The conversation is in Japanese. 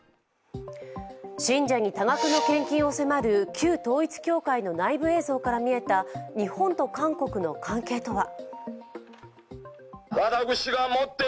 信者に多額の献金を迫る旧統一教会の内部映像から見えた日本と韓国の関係とは。